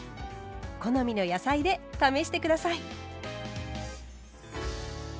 好みの野菜で試して下さい。